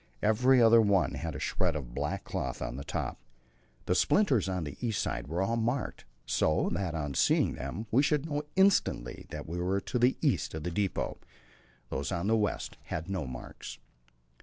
Every other one had a shred of black cloth on the top. The splinters on the east side were all marked, so that on seeing them we should know instantly that we were to the east of the depot. Those on the west had no marks.